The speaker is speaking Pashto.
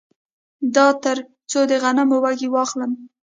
دا تر څو د غنمو وږي واخلم